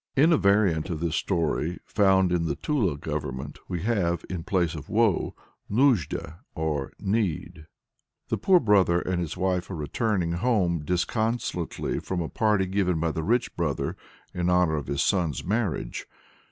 In a variant of this story found in the Tula Government we have, in the place of woe, Nuzhda, or Need. The poor brother and his wife are returning home disconsolately from a party given by the rich brother in honor of his son's marriage.